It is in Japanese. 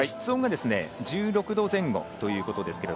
室温が１６度前後ということです。